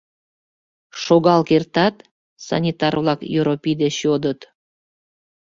— Шогал кертат? — санитар-влак Йоропий деч йодыт.